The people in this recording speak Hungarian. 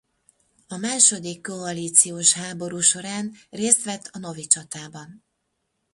A második koalíciós háború során részt vett a novi csatában.